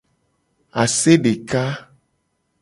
Ase deka.